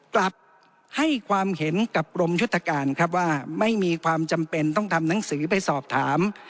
กลับให้ความเห็นกับกรมยุทธการครับว่าไม่มีความจำเป็นต้องทำหนังสือไปสอบถาม